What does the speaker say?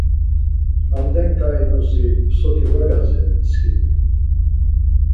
Hamden ǩai nosi soti var gadziren skiri.